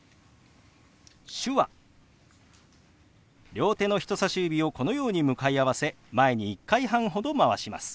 両手の人さし指をこのように向かい合わせ前に１回半ほど回します。